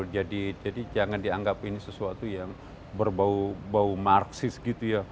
jadi jangan dianggap ini sesuatu yang berbau bau marxis gitu ya